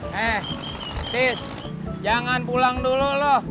hei atis jangan pulang dulu lo